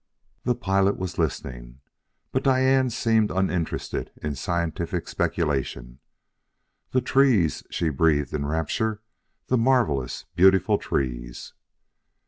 The pilot was listening, but Diane seemed uninterested in scientific speculations. "The trees!" she breathed in rapture; "the marvelous, beautiful trees!"